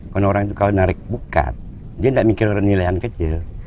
kalau orang itu kalau narik buka dia tidak mikir nilai kecil